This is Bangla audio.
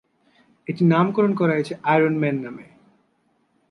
এটি নামকরণ করা হয়েছে 'আয়রন ম্যান' নামে।